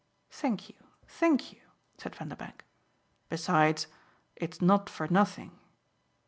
"Thank you, thank you," said Vanderbank. "Besides, it's not for nothing."